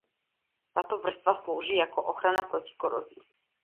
Tato vrstva slouží jako ochrana proti korozi.